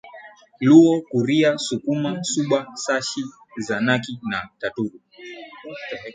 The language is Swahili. Luo Kuria Sukuma Suba Shashi Zanaki na Taturu